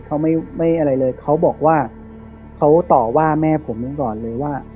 เขาไม่ไม่อะไรเลยเขาบอกว่าเขาต่อว่าแม่ผมก่อนเลยว่า